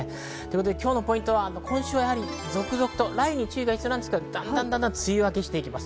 今日のポイント、今週は続々と雷雨に注意が必要なんですが、段々と梅雨明けしていきます。